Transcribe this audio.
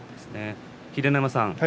秀ノ山さん